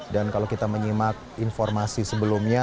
dan kalau kita menyimak informasi sebelumnya